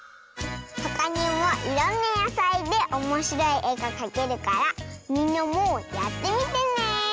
ほかにもいろんなやさいでおもしろいえがかけるからみんなもやってみてね！